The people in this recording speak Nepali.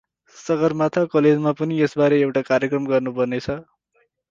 सगरमाथा कलेजमा पनि यसबारे एउटा कार्यक्रम गर्नुपर्ने छ ।